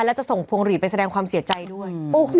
แล้วจะส่งพวงหลีดไปแสดงความเสียใจด้วย